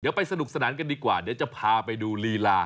เดี๋ยวไปสนุกสนานกันดีกว่าเดี๋ยวจะพาไปดูลีลา